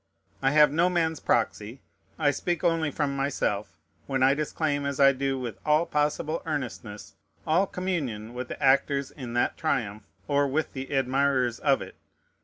I have no man's proxy. I speak only from myself, when I disclaim, as I do with all possible earnestness, all communion with the actors in that triumph, or with the admirers of it.